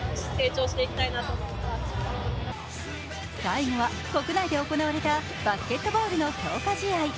最後は国内で行われたバスケットボールの強化試合。